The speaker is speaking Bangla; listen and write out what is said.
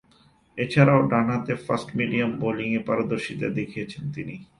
এছাড়াও, ডানহাতে ফাস্ট-মিডিয়াম বোলিংয়ে পারদর্শীতা দেখিয়েছেন তিনি।